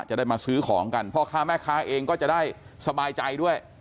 จะได้มาซื้อของกันพ่อค้าแม่ค้าเองก็จะได้สบายใจด้วย